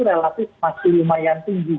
relatif masih lumayan tinggi